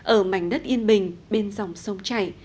ở mảnh đất yên bình bên dòng sông chảy